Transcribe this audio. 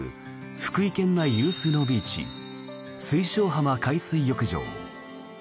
福井県内有数のビーチ水晶浜海水浴場。